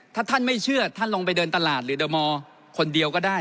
ถ้าท่านไม่เชื่อท่านลงไปเดินตลาดหรือเดอร์มอร์คนเดียวก็ได้